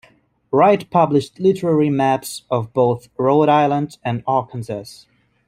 Wright published literary maps of both Rhode Island and Arkansas.